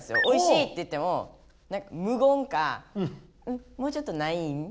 おいしいって言ってもむごんか「もうちょっとないん？」